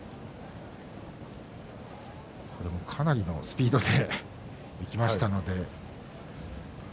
これも、かなりのスピードでいきましたので。